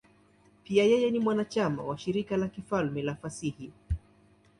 Pia yeye ni mwanachama wa Shirika la Kifalme la Fasihi.